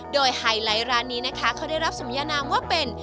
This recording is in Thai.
โดยไฮไลท์ร้านนี้นะคะเขาได้รับสมยานามว่าเป็น